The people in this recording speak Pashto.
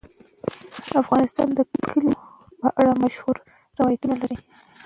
افغانستان د کلیو په اړه مشهور روایتونه لري.